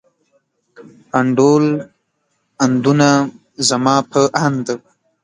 انډول، اندونه، زما په اند.